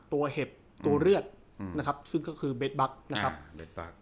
เห็บตัวเลือดนะครับซึ่งก็คือเบสบัคนะครับเบสบัค